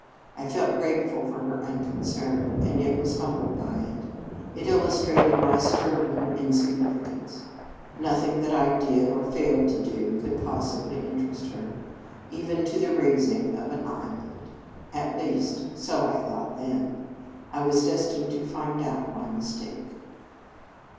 I felt grateful for her unconcern, and yet was humbled by it. It illustrated my sterling insignificance. Nothing that I did, or failed to do, could possibly interest her, even to the raising of an eyelid. At least, so I thought then. I was destined to find out my mistake.